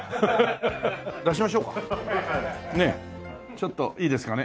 ちょっといいですかね。